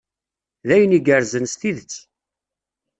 D ayen igerrzen s tidet.